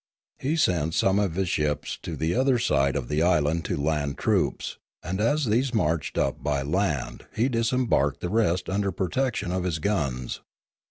He sent some of his ships to the other side of the island to land troops, and as these marched up by land he disembarked the rest under protection of his guns.